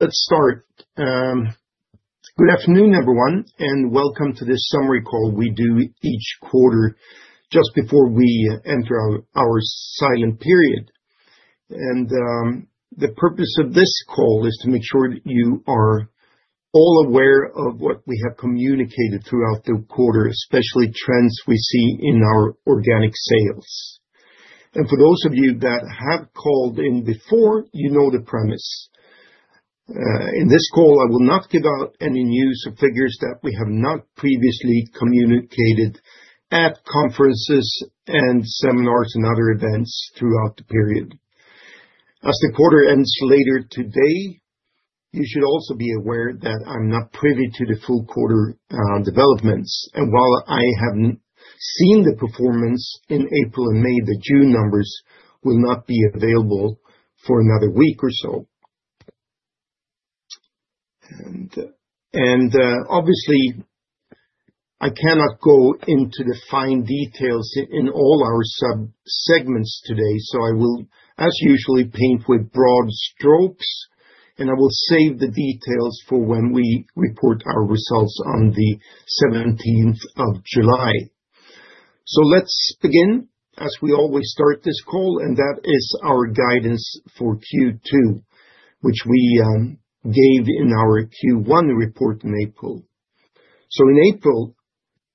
Let's start. Good afternoon, everyone, and welcome to this summary call we do each quarter just before we enter our silent period. The purpose of this call is to make sure that you are all aware of what we have communicated throughout the quarter, especially trends we see in our organic sales. For those of you that have called in before, you know the premise. In this call, I will not give out any news or figures that we have not previously communicated at conferences and seminars and other events throughout the period. As the quarter ends later today, you should also be aware that I'm not privy to the full quarter developments. While I have seen the performance in April and May, the June numbers will not be available for another week or so. Obviously, I cannot go into the fine details in all our subsegments today, so I will, as usual, paint with broad strokes, and I will save the details for when we report our results on the 17th of July. Let's begin, as we always start this call, and that is our guidance for Q2, which we gave in our Q1 report in April. In April,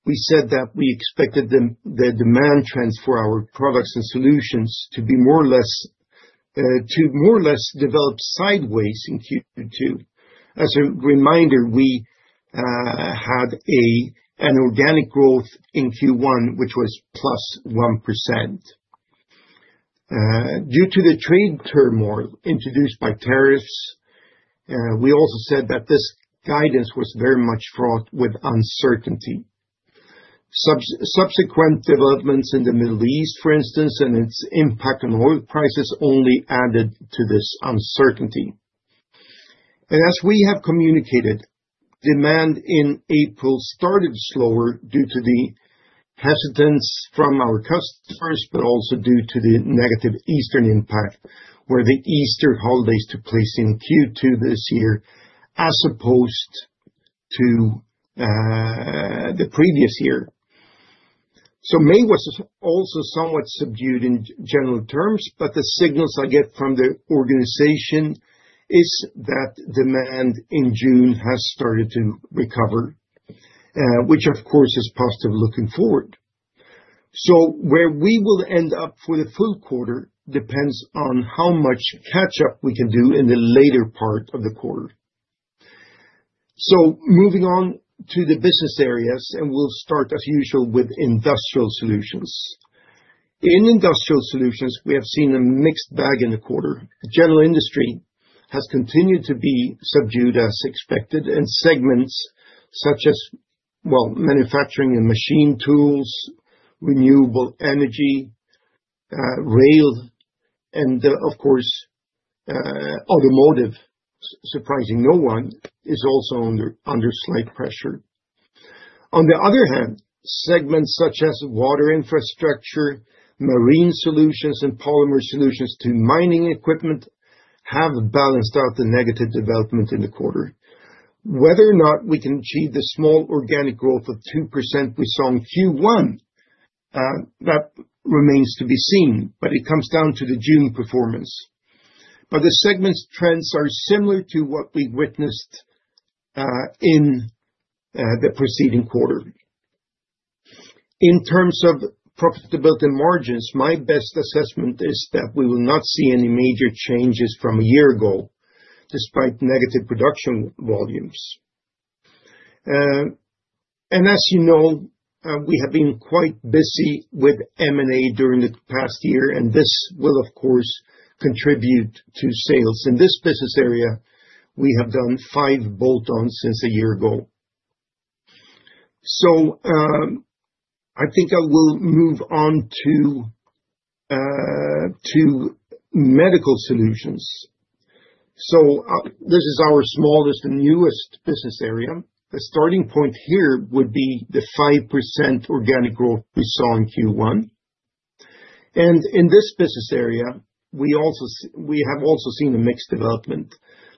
we said that we expected the demand trends for our products and solutions to be more or less developed sideways in Q2. As a reminder, we had an organic growth in Q1, which was +1%. Due to the trade turmoil introduced by tariffs, we also said that this guidance was very much fraught with uncertainty. Subsequent developments in the Middle East, for instance, and its impact on oil prices only added to this uncertainty. As we have communicated, demand in April started slower due to the hesitance from our customers, but also due to the negative Easter impact, where the Easter holidays took place in Q2 this year as opposed to the previous year. May was also somewhat subdued in general terms, but the signals I get from the organization is that demand in June has started to recover, which, of course, is positive looking forward. Where we will end up for the full quarter depends on how much catch-up we can do in the later part of the quarter. Moving on to the business areas, and we'll start, as usual, with industrial solutions. In industrial solutions, we have seen a mixed bag in the quarter. General industry has continued to be subdued, as expected, and segments such as, well, manufacturing and machine tools, renewable energy, rail, and, of course, automotive, surprising no one, is also under slight pressure. On the other hand, segments such as water infrastructure, marine solutions, and polymer solutions to mining equipment have balanced out the negative development in the quarter. Whether or not we can achieve the small organic growth of 2% we saw in Q1, that remains to be seen, but it comes down to the June performance. The segments' trends are similar to what we witnessed in the preceding quarter. In terms of profitability margins, my best assessment is that we will not see any major changes from a year ago, despite negative production volumes. As you know, we have been quite busy with M&A during the past year, and this will, of course, contribute to sales. In this business area, we have done five bolt-ons since a year ago. I think I will move on to medical solutions. This is our smallest and newest business area. The starting point here would be the 5% organic growth we saw in Q1. In this business area, we have also seen a mixed development,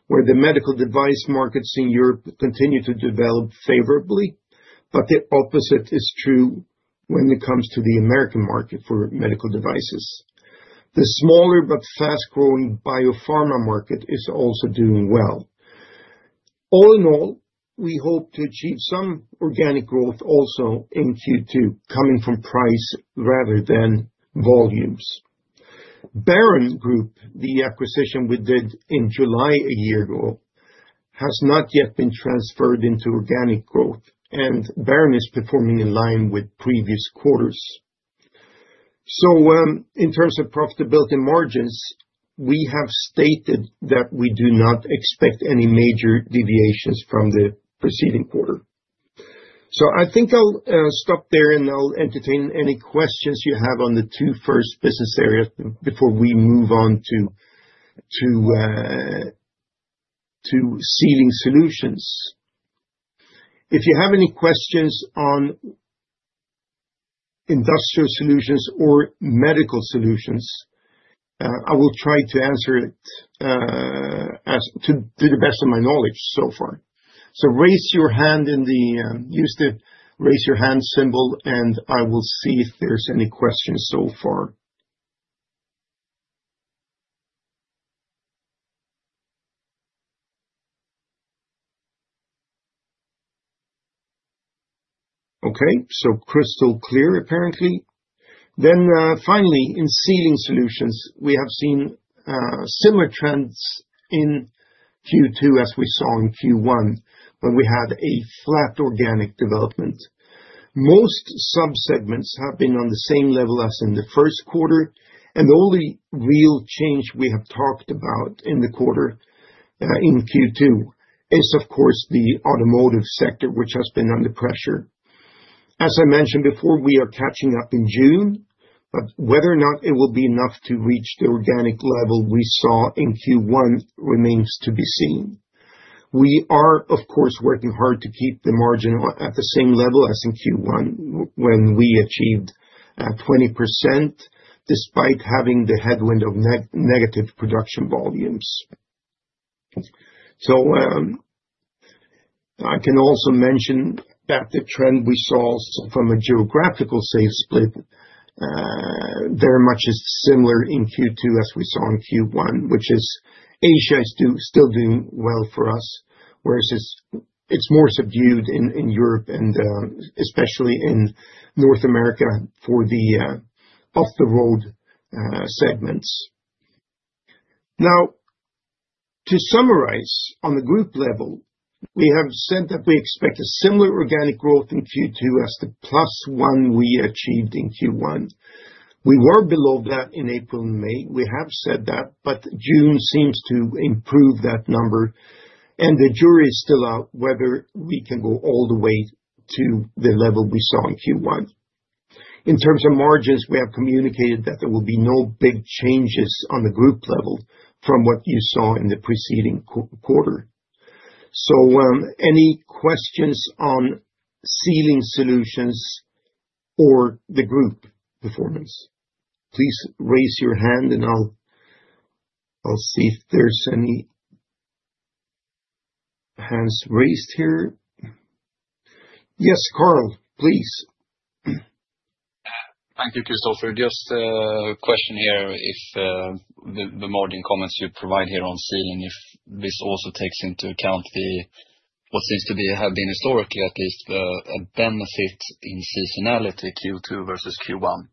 where the medical device markets in Europe continue to develop favorably, but the opposite is true when it comes to the American market for medical devices. The smaller but fast-growing biopharma market is also doing well. All in all, we hope to achieve some organic growth also in Q2, coming from price rather than volumes. Barron Group, the acquisition we did in July a year ago, has not yet been transferred into organic growth, and Barron is performing in line with previous quarters. In terms of profitability margins, we have stated that we do not expect any major deviations from the preceding quarter. I think I'll stop there, and I'll entertain any questions you have on the two first business areas before we move on to sealing solutions. If you have any questions on industrial solutions or medical solutions, I will try to answer it to the best of my knowledge so far. Raise your hand, use the raise your hand symbol, and I will see if there's any questions so far. Okay, crystal clear, apparently. Finally, in sealing solutions, we have seen similar trends in Q2 as we saw in Q1, when we had a flat organic development. Most subsegments have been on the same level as in the first quarter, and the only real change we have talked about in the quarter in Q2 is, of course, the automotive sector, which has been under pressure. As I mentioned before, we are catching up in June, but whether or not it will be enough to reach the organic level we saw in Q1 remains to be seen. We are, of course, working hard to keep the margin at the same level as in Q1 when we achieved 20%, despite having the headwind of negative production volumes. I can also mention that the trend we saw from a geographical sales split very much is similar in Q2 as we saw in Q1, which is Asia is still doing well for us, whereas it is more subdued in Europe, and especially in North America for the off-the-road segments. Now, to summarize, on the group level, we have said that we expect a similar organic growth in Q2 as the plus one we achieved in Q1. We were below that in April and May. We have said that, but June seems to improve that number, and the jury is still out whether we can go all the way to the level we saw in Q1. In terms of margins, we have communicated that there will be no big changes on the group level from what you saw in the preceding quarter. So any questions on sealing solutions or the group performance? Please raise your hand, and I'll see if there's any hands raised here. Yes, Karl, please. Thank you, Christopher. Just a question here if the margin comments you provide here on sealing, if this also takes into account what seems to have been historically, at least, a benefit in seasonality Q2 versus Q1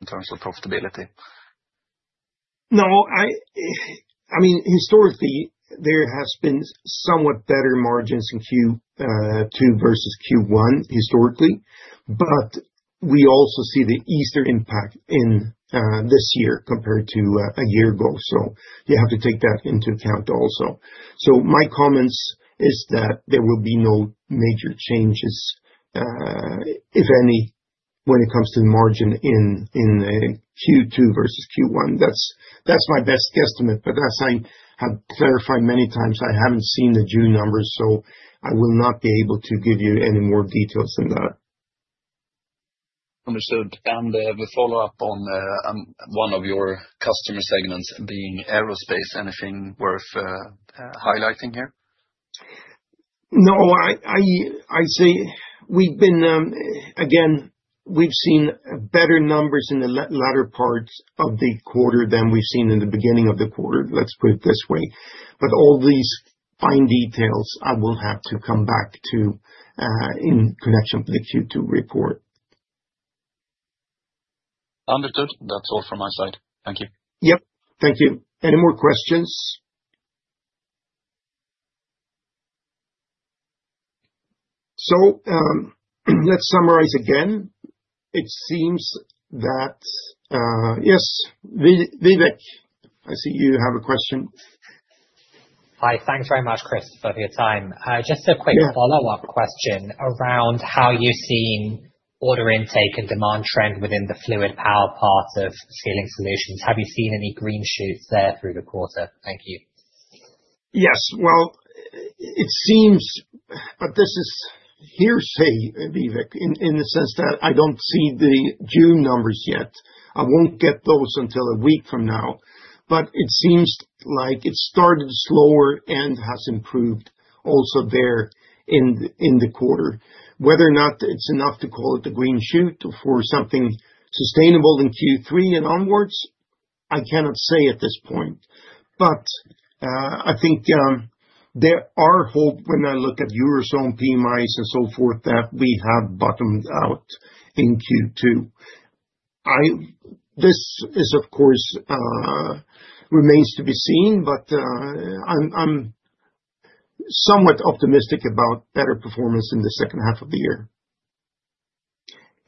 in terms of profitability. No, I mean, historically, there have been somewhat better margins in Q2 versus Q1 historically, but we also see the Easter impact in this year compared to a year ago. You have to take that into account also. My comments is that there will be no major changes, if any, when it comes to the margin in Q2 versus Q1. That's my best guesstimate, but as I have clarified many times, I haven't seen the June numbers, so I will not be able to give you any more details than that. Understood. The follow-up on one of your customer segments being aerospace, anything worth highlighting here? No. I say we've been, again, we've seen better numbers in the latter part of the quarter than we've seen in the beginning of the quarter, let's put it this way. All these fine details, I will have to come back to in connection with the Q2 report. Understood. That's all from my side. Thank you. Yep. Thank you. Any more questions? It seems that, yes, Vivek, I see you have a question. Hi. Thanks very much, Christopher, for your time. Just a quick follow-up question around how you've seen order intake and demand trend within the fluid power part of sealing solutions. Have you seen any green shoots there through the quarter? Thank you. Yes. It seems, but this is hearsay, Vivek, in the sense that I do not see the June numbers yet. I will not get those until a week from now. It seems like it started slower and has improved also there in the quarter. Whether or not it is enough to call it a green shoot for something sustainable in Q3 and onwards, I cannot say at this point. I think there are hope when I look at Eurozone PMIs and so forth that we have bottomed out in Q2. This, of course, remains to be seen, but I am somewhat optimistic about better performance in the second half of the year.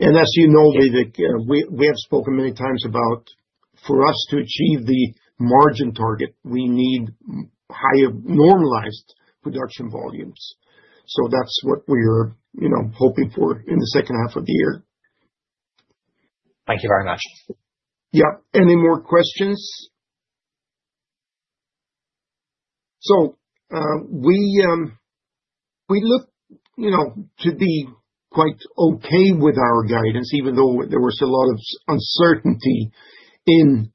As you know, Vivek, we have spoken many times about for us to achieve the margin target, we need higher normalized production volumes. That is what we are hoping for in the second half of the year. Thank you very much. Yeah. Any more questions? We look to be quite okay with our guidance, even though there was a lot of uncertainty in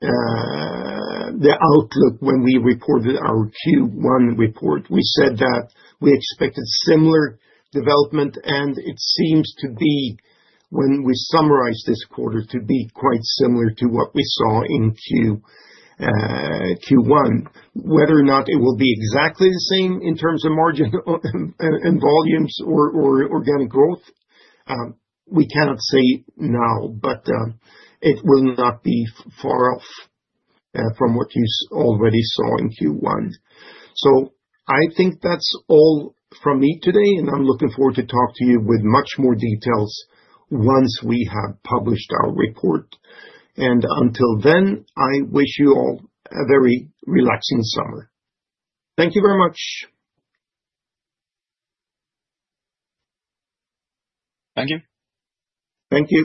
the outlook when we reported our Q1 report. We said that we expected similar development, and it seems to be, when we summarize this quarter, to be quite similar to what we saw in Q1. Whether or not it will be exactly the same in terms of margin and volumes or organic growth, we cannot say now, but it will not be far off from what you already saw in Q1. I think that's all from me today, and I'm looking forward to talking to you with much more details once we have published our report. Until then, I wish you all a very relaxing summer. Thank you very much. Thank you. Thank you.